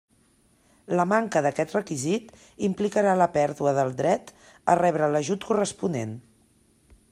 La manca d'aquest requisit implicarà la pèrdua del dret a rebre l'ajut corresponent.